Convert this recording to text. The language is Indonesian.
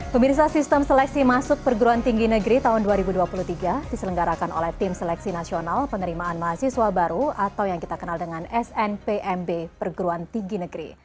pemirsa sistem seleksi masuk perguruan tinggi negeri tahun dua ribu dua puluh tiga diselenggarakan oleh tim seleksi nasional penerimaan mahasiswa baru atau yang kita kenal dengan snpmb perguruan tinggi negeri